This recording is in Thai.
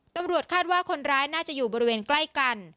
ตำรวจคาดว่าคนร้ายน่าจะอยู่บริเวณใกล้กัน